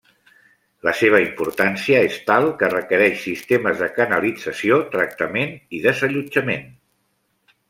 La seva importància és tal que requereix sistemes de canalització, tractament i desallotjament.